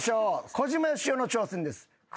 小島よしおの挑戦です。ＯＫ。